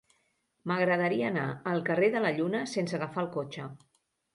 M'agradaria anar al carrer de la Lluna sense agafar el cotxe.